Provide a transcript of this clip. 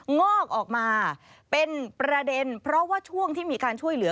งอกออกมาเป็นประเด็นเพราะว่าช่วงที่มีการช่วยเหลือ